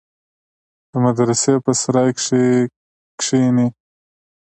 د مدرسې په سراى کښې کښېني.